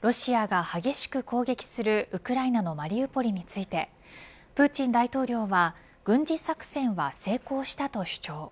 ロシアが激しく攻撃するウクライナのマリウポリについてプーチン大統領は、軍事作戦は成功したと主張。